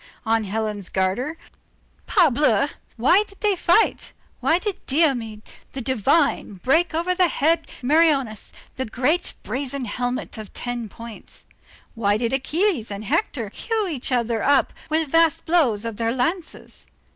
On Helen's garter, parbleu! Why did they fight, why did Diomed the divine break over the head of Meriones that great brazen helmet of ten points? why did Achilles and Hector hew each other up with vast blows of their lances?